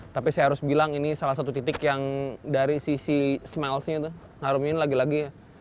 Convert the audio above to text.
tapi saya harus bilang ini salah satu titik yang dari sisi smells nya itu harumnya ini lagi lagi